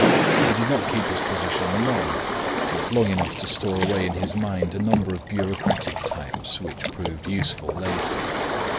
He did not keep his position long, yet long enough to store away in his mind a number of bureaucratic types which proved useful later.